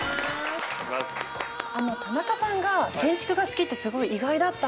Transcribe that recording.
あの田中さんが建築が好きってすごい意外だったんですけど。